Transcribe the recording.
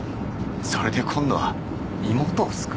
それで今度は妹を救う？